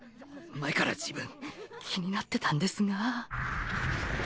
前から自分気になってたんですが。